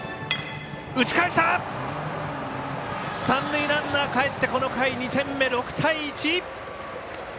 三塁ランナー、かえってこの回２点目６対１！